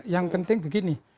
yang penting begini